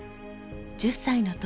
１０歳の時